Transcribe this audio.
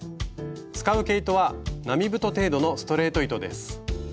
使う毛糸は並太程度のストレート糸です。